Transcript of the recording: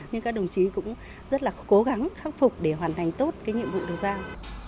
nhưng các đồng chí cũng rất là cố gắng khắc phục để hoàn thành tốt cái nhiệm vụ được giao